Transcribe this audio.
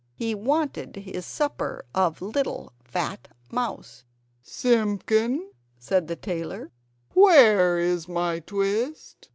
He wanted his supper of little fat mouse! "Simpkin," said the tailor, "where is my TWIST?"